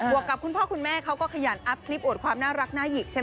วกกับคุณพ่อคุณแม่เขาก็ขยันอัพคลิปอวดความน่ารักน่าหยิกใช่ไหม